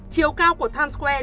chiều cao của times square